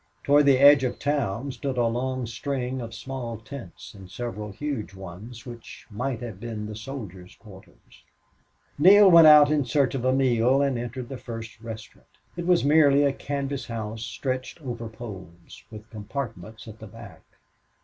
Toward the edge of town stood a long string of small tents and several huge ones, which might have been the soldiers' quarters. Neale went out in search of a meal and entered the first restaurant. It was merely a canvas house stretched over poles, with compartments at the back.